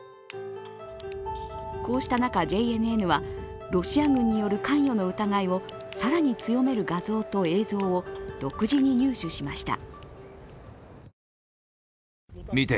こうした中、ＪＮＮはロシア軍による関与の疑いを更に強める画像と映像を独自に入手しました。